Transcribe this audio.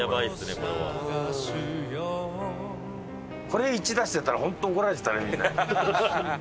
これ「１」出してたら本当怒られてたね